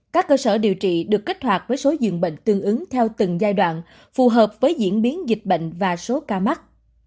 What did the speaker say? các cơ sở điều trị được kích hoạt với số dường bệnh tương ứng theo từng giai đoạn phù hợp với diễn biến dịch bệnh và số ca mắc